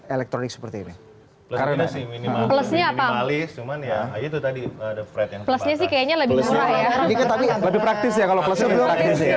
elektronik seperti ini karena sih minimalis cuma ya itu tadi ada fred yang kayaknya lebih praktis